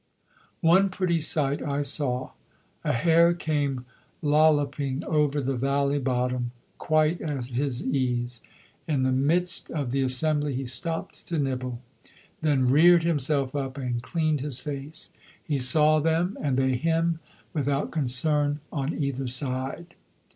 One pretty sight I saw. A hare came lolloping over the valley bottom, quite at his ease. In the midst of the assembly he stopped to nibble, then reared himself up and cleaned his face. He saw them and they him without concern on either side.